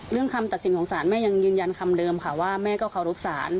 คำตัดสินของศาลแม่ยังยืนยันคำเดิมค่ะว่าแม่ก็เคารพศาล